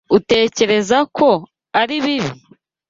Utekereza ko ari bibi?